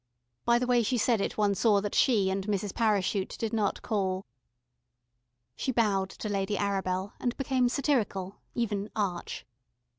By the way she said it, one saw that she and Mrs. Parachute did not call. She bowed to Lady Arabel, and became satirical, even arch.